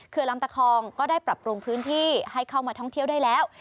คือลำตะคองก็ได้ปรับปรุงพื้นที่ให้เข้ามาท่องเที่ยวได้แล้ว